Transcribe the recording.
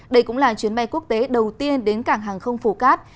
đây cũng là chuyến bay quốc tế đầu tiên đến cảng hàng không phuket